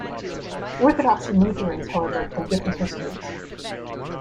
Orthodox and Lutherans, however, have different histories.